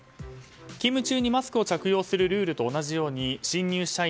勤務中にマスクを着用するルールと同じように新入社員